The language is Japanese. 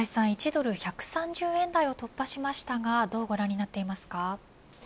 １ドル１３０円台を突破しましたがどうご覧になっていますか。